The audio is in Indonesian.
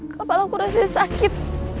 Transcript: kepala ku rasanya sakit